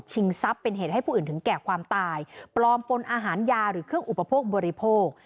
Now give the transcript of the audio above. ทรัพย์เป็นเหตุให้ผู้อื่นถึงแก่ความตายปลอมปนอาหารยาหรือเครื่องอุปโภคบริโภค